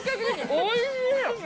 おいしい！